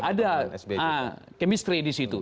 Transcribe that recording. ada kemistri di situ